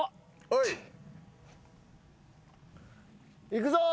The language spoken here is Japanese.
いくぞ！